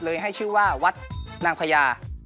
ให้ชื่อว่าวัดนางพญา